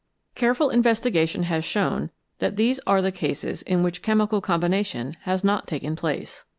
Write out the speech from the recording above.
Careful investi gation has shown that these are the cases in which chemical combination has not taken place.